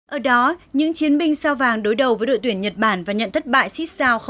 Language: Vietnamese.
ở đó những chiến binh sao vàng đối đầu với đội tuyển nhật bản và nhận thất bại xích sao